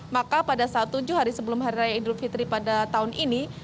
maka pada saat tujuh hari sebelum hari raya idul fitri pada tahun ini